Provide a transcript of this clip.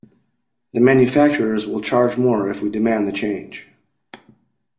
The manufacturers will charge more if we demand the change.